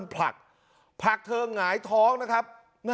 ผลักผลักเธอหงายท้องนะครับ